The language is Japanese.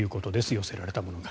寄せられたものが。